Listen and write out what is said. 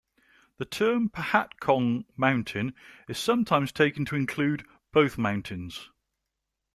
The term "Pohatcong Mountain" is sometimes taken to include both mountains.